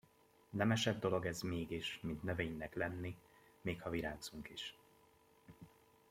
Nemesebb dolog ez mégis, mint növénynek lenni, még ha virágzunk is!